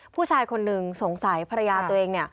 ผู้ชายคนหนึ่งสงสัยภรรยาตัวเองเนี่ย